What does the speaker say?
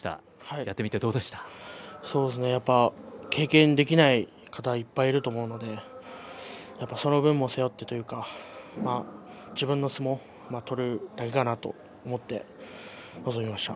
やってみて、経験できない方、いっぱいいると思うんでその分を背負ってというか自分の相撲を取るだけだなと臨みました。